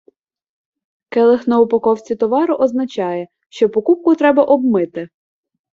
Келих на упаковці товару означає, що покупку треба обмити.